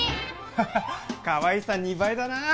ハハッかわいさ２倍だなあ！